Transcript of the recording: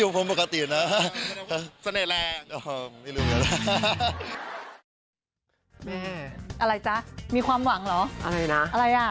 ผมก็เสน่ห์ให้น้อยลง